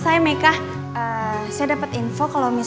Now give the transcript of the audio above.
fatih mengenai appris abundance